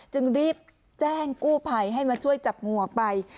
จึงรีบแจ้งกู้ภัยให้มาช่วยจับงูออกไป